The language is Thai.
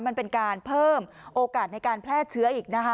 มันเป็นการเพิ่มโอกาสในการแพร่เชื้ออีกนะคะ